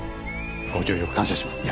ご協力感謝します。